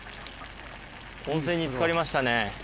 温泉につかりましたね。